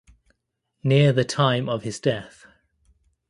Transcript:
Near the time of his death.